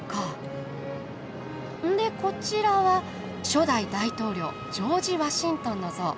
でこちらは「初代大統領ジョージ・ワシントンの像。